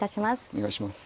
お願いします。